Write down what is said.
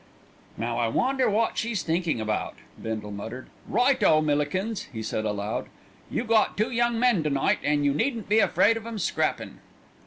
"Now I wonder wot she's thinkin' about?" Bindle muttered. "Right o, Millikins!" he said aloud. "You got two young men to night, an' you needn't be afraid of 'em scrappin'."